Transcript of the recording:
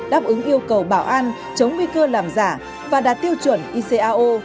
đáp ứng yêu cầu bảo an chống nguy cơ làm giả và đạt tiêu chuẩn icao